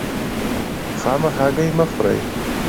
خامه هګۍ مه خورئ.